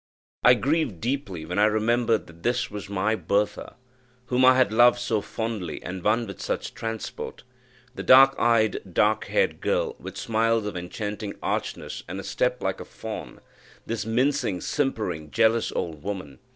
I grieved deeply when I remembered that this was my Bertha, whom I had loved so fondly and won with such transport the dark eyed, dark haired girl, with smiles of enchanting archness and a step like a fawn this mincing, simpering, jealous old woman.